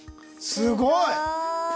すごい！